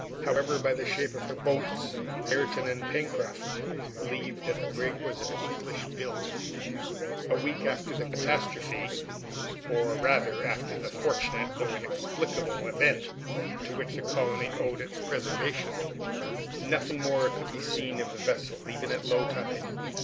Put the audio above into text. However, by the shape of her boats Ayrton and Pencroft believed that the brig was of English build. A week after the castrophe or, rather, after the fortunate, though inexplicable, event to which the colony owed its preservation nothing more could be seen of the vessel, even at low tide.